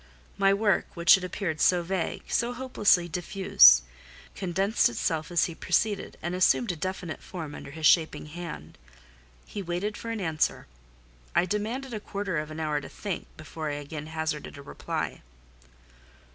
My work, which had appeared so vague, so hopelessly diffuse, condensed itself as he proceeded, and assumed a definite form under his shaping hand. He waited for an answer. I demanded a quarter of an hour to think, before I again hazarded a reply.